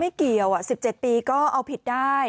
ไม่เกี่ยว๑๗ปีก็เอาผิดได้